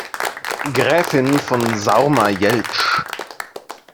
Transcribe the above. Gräfin von Saurma-Jeltsch.